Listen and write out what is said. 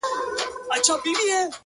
• زه له خپلي ډيري ميني ورته وايم؛